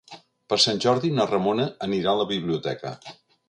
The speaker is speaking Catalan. Per Sant Jordi na Ramona anirà a la biblioteca.